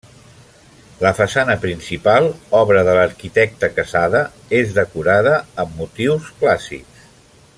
La façana principal, obra de l'arquitecte Quesada, és decorada amb motius clàssics.